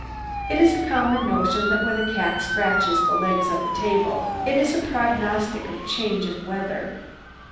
"It is a common notion that when a cat scratches the legs of a table, it is a prognostic of change of weather.